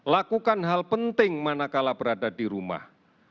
lakukan hal penting manakala berada di rumah